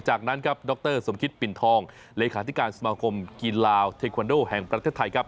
จากนั้นครับดรสมคิตปิ่นทองเลขาธิการสมาคมกีฬาวเทควันโดแห่งประเทศไทยครับ